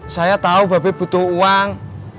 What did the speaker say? saya tahu bapak butuh uang